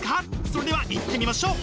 それではいってみましょう！